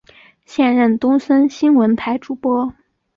现任东森新闻台主播。